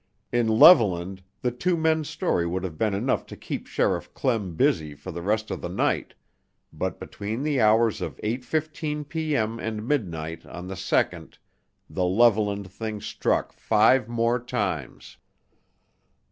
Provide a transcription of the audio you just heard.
In Levelland, the two men's story would have been enough to keep Sheriff Clem busy for the rest of the night but between the hours of 8:15P.M. and midnight on the 2nd the "Levelland Thing" struck five more times.